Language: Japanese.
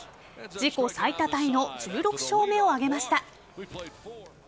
自己最多タイの１６勝目を挙げました。